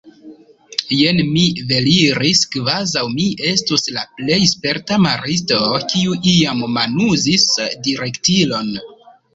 Jen mi veliris kvazaŭ mi estus la plej sperta maristo, kiu iam manuzis direktilon.